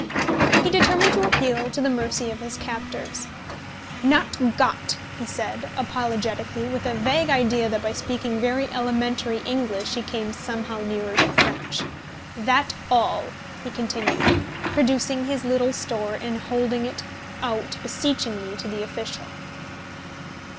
He determined to appeal to the mercy of his captors. "Not got," he said, apologetically, with a vague idea that by speaking very elementary English he came somehow nearer to French, "That all," he continued, producing his little store and holding it out beseechingly to the official.